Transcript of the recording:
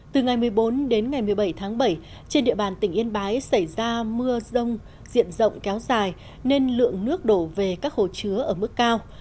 từ ngày một mươi bốn đến ngày một mươi bảy tháng bảy trên địa bàn tỉnh yên bái xảy ra mưa rông diện rộng kéo dài nên lượng nước đổ về các hồ chứa ở mức cao